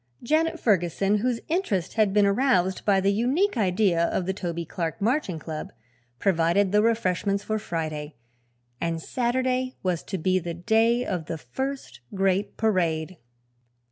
Janet Ferguson, whose interest had been aroused by the unique idea of the Toby Clark Marching Club, provided the refreshments for Friday, and Saturday was to be the day of the first great parade.